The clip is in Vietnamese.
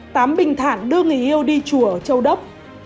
tám bình thản đưa người yêu đi chùa châu đốc